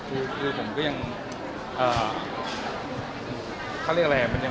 คือผมก็ยังเอ่อ